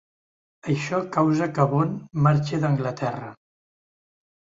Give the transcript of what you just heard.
Això causa que Bond marxi d'Anglaterra.